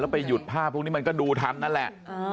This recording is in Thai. ไปหยุดภาพพวกนี้มันก็ดูทันนั่นแหละ